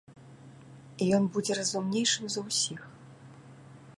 Ён будзе разумнейшым за ўсіх.